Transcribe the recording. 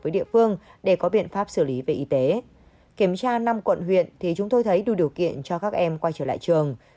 điểm tra năm quận huyện thì chúng tôi thấy đủ điều kiện cho các em quay trở lại trường